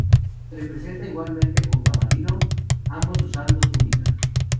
Se le representa igualmente junto a Marino, ambos usando túnica.